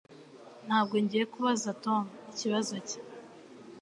Ntabwo ngiye kubaza Tom ikibazo cye.